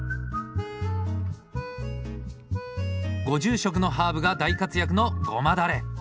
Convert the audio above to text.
ご住職のハーブが大活躍のゴマダレ！